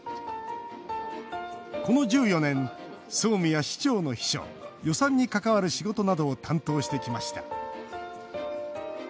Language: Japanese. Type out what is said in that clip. この１４年、総務や市長の秘書予算に関わる仕事などを担当してきました。